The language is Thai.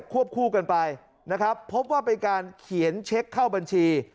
วบคู่กันไปนะครับพบว่าเป็นการเขียนเช็คเข้าบัญชี